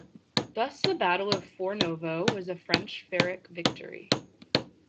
Thus, the battle of Fornovo was a French pyrrhic victory.